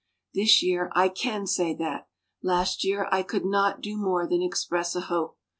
This year I can say that. Last year I could not do more than express a hope.